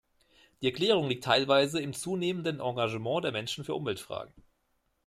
Die Erklärung liegt teilweise im zunehmenden Engagement der Menschen für Umweltfragen.